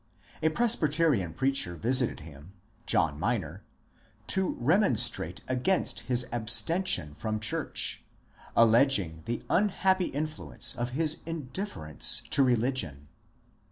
A Presbyterian preacher visited him (John Minor) to remonstrate against his absten tion from church, alleging the unhappy influence of his indif ference to religion.